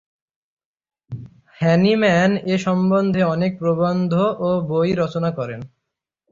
Hahnemann এ সমন্ধে অনেক প্রবন্ধ ও বই রচনা করেন।